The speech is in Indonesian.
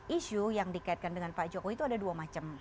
isu yang dikaitkan dengan pak jokowi itu ada dua macam